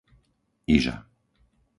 Iža